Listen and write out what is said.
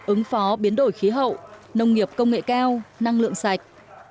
ứng phó biến đổi khí hậu nông nghiệp công nghệ cao năng lượng sạch